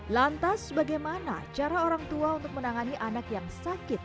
lantas bagaimana cara orang tua untuk menangani anak yang sakit